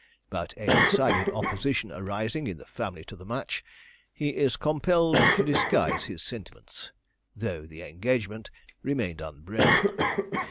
But a decided opposition arising in the family to the match, he is compelled to disguise his sentiments, though the engagement remained unbroken.